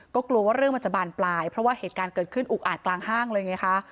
ก็กลัวว่าเรื่องมันจะบานปลายเพราะว่าเหตุการณ์เกิดขึ้นอุกอาจกลางห้างเลยไงคะ